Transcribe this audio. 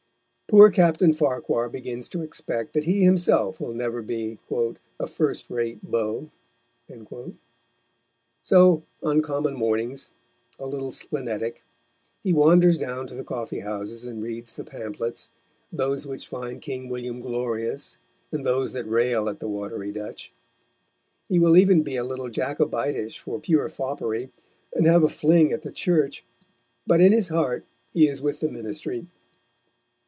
Poor Captain Farquhar begins to expect that he himself will never be "a first rate Beau." So, on common mornings, a little splenetic, he wanders down to the coffee houses and reads the pamphlets, those which find King William glorious, and those that rail at the watery Dutch. He will even be a little Jacobitish for pure foppery, and have a fling at the Church, but in his heart he is with the Ministry.